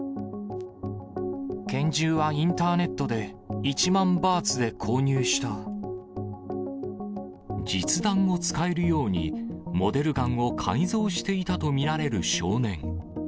拳銃はインターネットで、実弾を使えるように、モデルガンを改造していたと見られる少年。